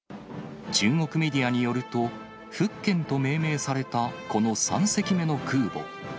中国メディアによると、福建と命名されたこの３隻目の空母。